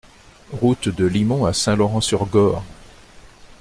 Route de Limont à Saint-Laurent-sur-Gorre